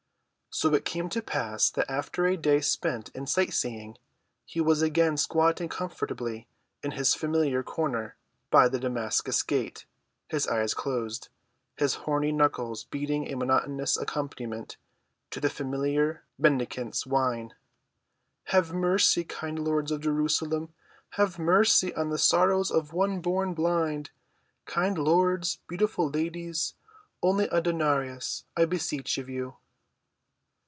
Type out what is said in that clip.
So it came to pass that after a day spent in sight‐seeing, he was again squatting comfortably in his familiar corner by the Damascus gate, his eyes closed, his horny knuckles beating a monotonous accompaniment to the familiar mendicant's whine: "Have mercy, kind lords of Jerusalem! Have mercy on the sorrows of one born blind! Kind lords, beautiful ladies, only a denarius, I beseech of you!"